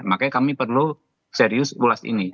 makanya kami perlu serius ulas ini